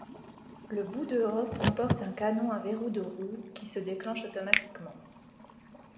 Le bout-dehors comporte un canon à verrou de roue qui se déclenche automatiquement.